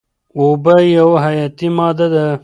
اوبه یوه حیاتي ماده ده.